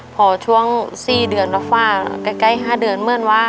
พอช่วงสี่เดือนแล้วฟ่าใกล้ใกล้ห้าเดือนเมื่อนวะ